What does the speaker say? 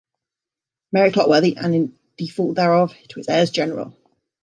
Mary Clotworthy, and in default thereof to his heirs general.